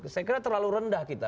saya kira terlalu rendah kita